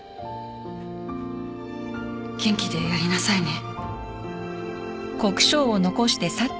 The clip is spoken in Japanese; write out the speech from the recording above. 元気でやりなさいね